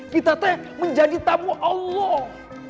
kita teh menjadi tamu allah